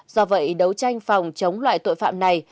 do vậy đấu tranh phòng chống loại tội phạm này